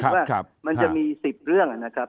ว่ามันจะมี๑๐เรื่องนะครับ